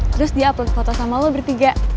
terus dia upload foto sama lo bertiga